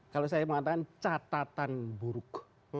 kalau saya mengatakan catatan buruk